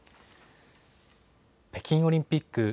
北京オリンピック。